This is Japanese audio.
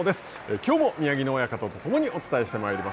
きょうも宮城野親方とともにお伝えします。